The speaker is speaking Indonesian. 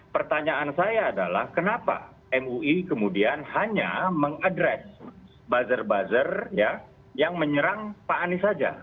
pertanyaan saya adalah kenapa mui kemudian hanya mengadres buzzer buzzer yang menyerang pak anies saja